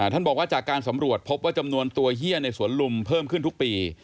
ท่านบอกว่าจากการสำรวจพบว่าจำนวนตัวเฮียในสวนลุมเพิ่มขึ้นทุกปี